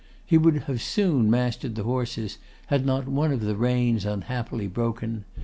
He would have soon mastered the horses, had not one of the reins unhappily broken.